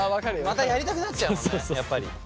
またやりたくなっちゃうもんね。